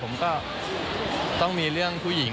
ผมก็ต้องมีเรื่องผู้หญิง